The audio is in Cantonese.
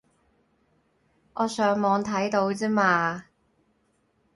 我上網睇到之嘛